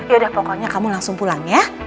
yaudah pokoknya kamu langsung pulang ya